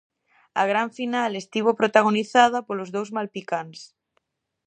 A gran final estivo protagonizada polos dous malpicáns.